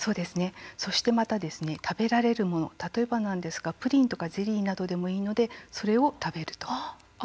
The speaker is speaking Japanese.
そしてまた食べられるもの例えばなんですが、プリンとかゼリーなどでもいいのでそれを食べると。